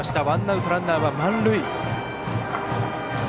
ワンアウトランナー、満塁。